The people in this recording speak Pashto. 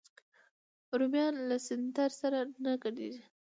رومیان له سنتر سره نه ګډېږي